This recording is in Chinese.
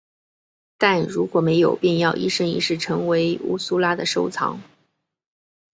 但如果没有便要一生一世成为乌苏拉的收藏。